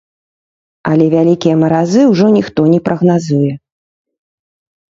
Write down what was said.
Але вялікія маразы ўжо ніхто не прагназуе.